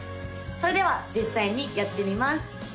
それでは実際にやってみます